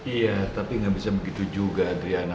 iya tapi nggak bisa begitu juga adriana